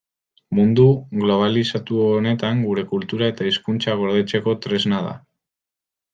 Mundu globalizatu honetan gure kultura eta hizkuntza gordetzeko tresna da.